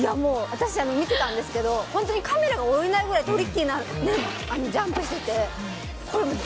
私、見てたんですけどカメラが追えないぐらいトリッキーなジャンプしてて。